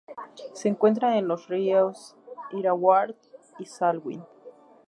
Se encuentra en los ríos Irrawaddy y Salween.